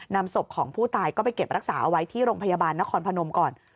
นำศพของผู้ตายก็ไปเก็บรักษาเอาไว้ที่โรงพยาบาลนครพนมก่อน